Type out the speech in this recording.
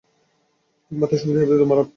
একমাত্র সঙ্গী হবে তোমার আর্তনাদ।